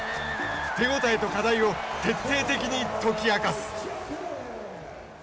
手応えと課題を徹底的に解き明かす！